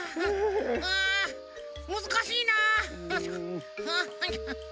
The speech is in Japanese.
あむずかしいな。